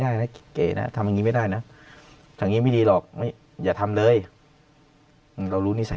ได้นะทำงี้ไม่ได้นะทำงี้ไม่ดีหรอกไม่อย่าทำเลยเรารู้นิสัย